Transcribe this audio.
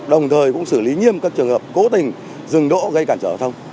đồng thời cũng xử lý nghiêm các trường hợp cố tình dừng đỗ gây cản trở giao thông